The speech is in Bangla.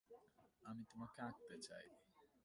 আমি তোমাকে আঁকতে চাই।